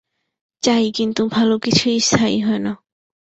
চাই, কিন্তু ভালো কিছুই স্থায়ী হয় না।